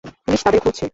Police তাদের খুঁজছে।